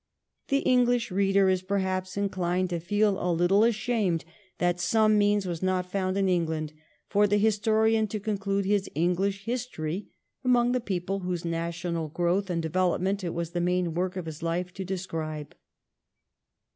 The English reader is perhaps inclined to feel a little 156 THE REIGN OF QUEEN ANNE. ch. xxviii. ashamed that some means was not found in England for the historian to conclude his English History among the people whose national growth and develop ment it was the main work of his life to describe.